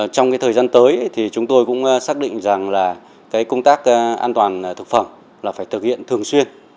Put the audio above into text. trong thời gian tới chúng tôi cũng xác định rằng công tác an toàn thực phẩm phải thực hiện thường xuyên